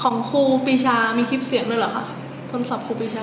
ของครูปีชามีคลิปเสียงด้วยเหรอค่ะโทรศัพท์ครูปีชา